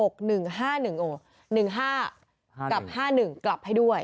กับ๕๑กลับให้ด้วย